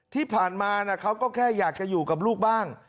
ที่ผ่านมาเขาก็แค่อยากจะอยู่กับลูกบ้าง